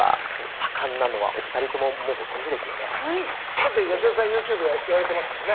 だって八代さんＹｏｕＴｕｂｅやられてますもんね。